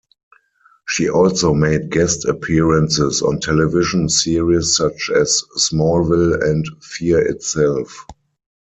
She also made guest appearances on television series such as "Smallville" and "Fear Itself.